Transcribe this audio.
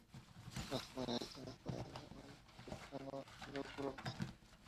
Las comidas están disponibles en el cercano Lodge Brooks.